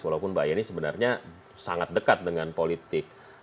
walaupun mbak yeni sebenarnya sangat dekat dengan politik